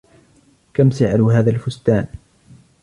كم سعر هذا الفستان؟